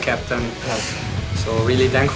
คุณเป็นใครออกมาก